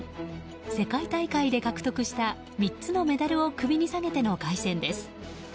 世界大会で獲得した３つのメダルを首に下げての凱旋です。